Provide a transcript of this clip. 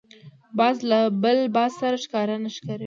باز له بل باز سره ښکار نه شریکوي